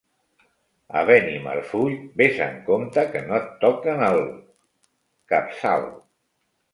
A Benimarfull, ves amb compte que no et toquen el... capçal.